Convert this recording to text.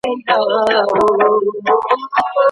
چيري د یوه صادقانه او پرله پسي کار او هڅي خوږې پایلي وي؟